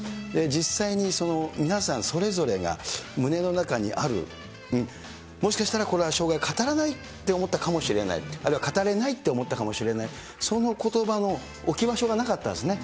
実際に皆さん、それぞれが胸の中にある、もしかしたらこれは生涯語らないと思ったかもしれない、あるいは語れないって思ったかもしれない、そのことばの置き場所がなかったんですね。